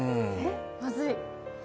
まずい。